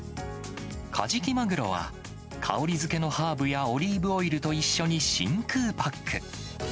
カジキマグロは、香りづけのハーブやオリーブオイルと一緒に真空パック。